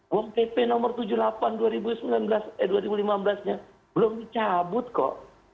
wong pp nomor tujuh puluh delapan eh dua ribu lima belas nya belum dicabut kok